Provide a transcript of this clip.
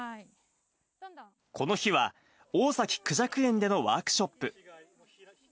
この日は、大崎くじゃく園でのワークショップ。